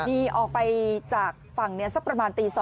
หนีออกไปจากฝั่งสักประมาณตี๒